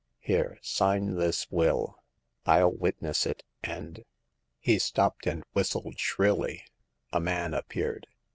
Here, sign this will, ril witness it ; and —" He stopped, and whistled shrilly. A man appeared.